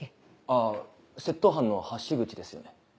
あぁ窃盗犯の橋口ですよね